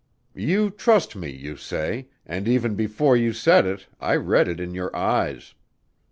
"You trust me, you say, and even before you said it I read it in your eyes.